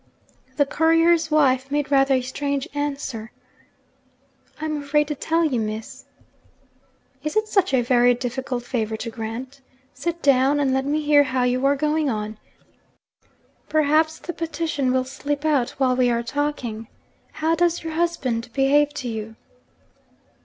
The courier's wife made rather a strange answer: 'I'm afraid to tell you, Miss.' 'Is it such a very difficult favour to grant? Sit down, and let me hear how you are going on. Perhaps the petition will slip out while we are talking. How does your husband behave to you?'